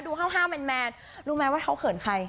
ห้าวแมนรู้ไหมว่าเขาเขินใคร